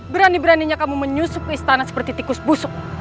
berani beraninya kamu menyusup istana seperti tikus busuk